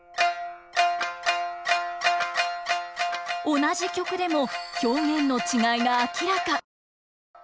同じ曲でも表現の違いが明らか。